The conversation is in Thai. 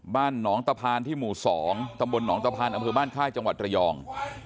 บ้านหนองตะพานที่หมู่๒ตำบลหนองตะพานอำเภอบ้านค่ายจังหวัดระยอง